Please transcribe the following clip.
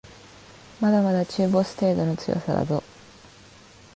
まだまだ中ボス程度の強さだぞ